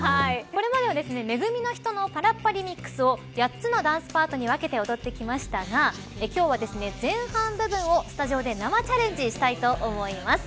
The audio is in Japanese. これまでは、め組のひとのパラッパ・リミックスの８つのダンスパートに分けて踊ってきましたが今日は前半部分を、スタジオで生チャレンジしたいと思います。